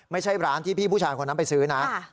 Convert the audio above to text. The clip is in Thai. ไม่ใช่ร้านที่พี่ผู้ชายคนนั้นไปซื้อนะ